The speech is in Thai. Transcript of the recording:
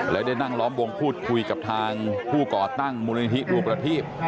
และได้นั่งล้อมวงพูดคุยกับทางผู้ก่อตั้งมูลนิธิดวงประทีป